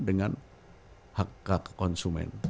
dengan hak hak konsumen